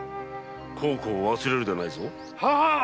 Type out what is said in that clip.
孝行を忘れるでないぞ。ははーっ！